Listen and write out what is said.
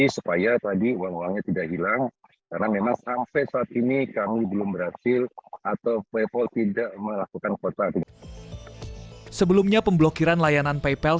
sebelumnya pemblokiran layanan paypal